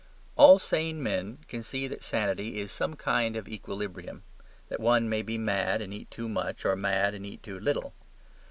All sane men can see that sanity is some kind of equilibrium; that one may be mad and eat too much, or mad and eat too little.